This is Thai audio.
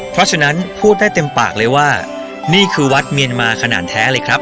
เพราะฉะนั้นพูดได้เต็มปากเลยว่านี่คือวัดเมียนมาขนาดแท้เลยครับ